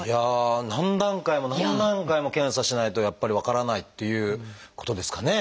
何段階も何段階も検査しないとやっぱり分からないっていうことですかね。